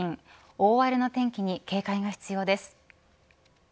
大荒れの天気に警戒が必要です。